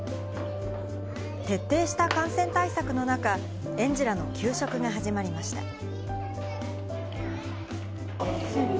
徹底した感染対策の中、園児らの給食が始まりました。